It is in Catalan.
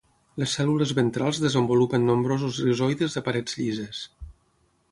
Les cèl·lules ventrals desenvolupen nombrosos rizoides de parets llises.